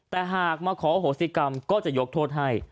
แต่หากมาขออโหสิกรรมก็จะยกโทษให้